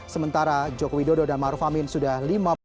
sementara joko widodo dan maruf amin sudah lima persen